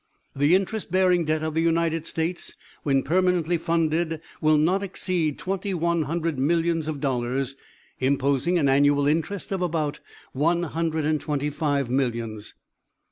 The interest bearing debt of the United States, when permanently funded, will not exceed twenty one hundred millions of dollars, imposing an annual interest of about one hundred and twenty five millions.